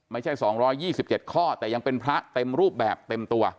ไม่ใช่๒๒๗ข้อแต่ยังเป็นพระเต็มรูปแบบเต็มตัว